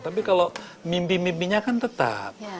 tapi kalau mimpi mimpinya kan tetap